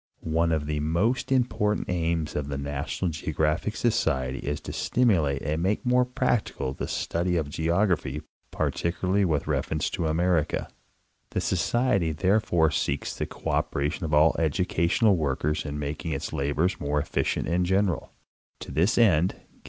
One of the most important aims of the NATIONAL GEOGRAPHIC Socrery is to stimulate and make more practical the study of geography, particularly with reference to America. The Society therefore seeks the codperation of all educational workers in making its labors more efficient and general. To this end, gifts 31—Nart. Groa. Maa., von. VI, 1894.